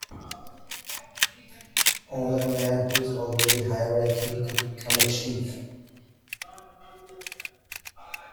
Only a man who is already high-ranking could become a chief.